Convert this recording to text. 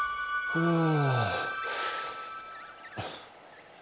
うん。